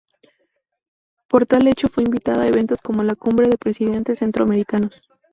Por tal hecho fue invitada a eventos como la Cumbre de Presidentes Centroamericanos.